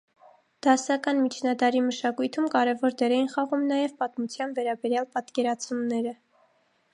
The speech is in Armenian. Դասական միջնադարի մշակույթում կարևոր դեր էին խաղում նաև պատմության վերաբերյալ պատկերացումները։